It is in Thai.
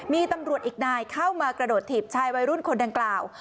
มีตำรวจอีกนายเข้ามากระโดดถีบชายวัยรุ่นคนดังกล่าว